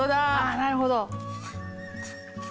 なるほど。